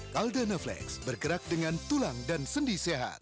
caldana flex bergerak dengan tulang dan sendi sehat